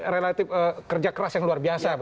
relatif kerja keras yang luar biasa